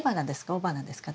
雄花ですか？